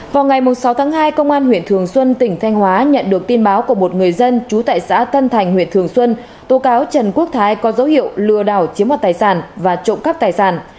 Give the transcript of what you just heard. vào ngày sáu tháng hai công an huyện thường xuân tp hcm nhận được tin báo của một người dân chú tại xã tân thành huyện thường xuân tố cáo trần quốc thái có dấu hiệu lừa đảo chiếm vào tài sản và trộm cắp tài sản